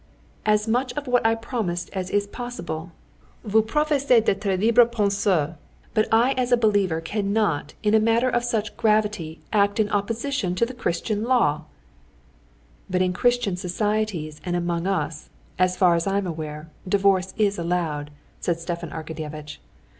"As much of what I promised as is possible. Vous professez d'être libre penseur. But I as a believer cannot, in a matter of such gravity, act in opposition to the Christian law." "But in Christian societies and among us, as far as I'm aware, divorce is allowed," said Stepan Arkadyevitch.